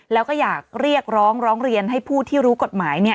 แล้วก็อยากเรียกร้องร้องเรียนให้ผู้ที่รู้กฎหมาย